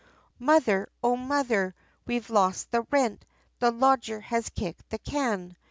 Mother, O mother, we've lost the rent, the lodger has kicked the can!